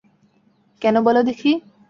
কেন বলো দেখি?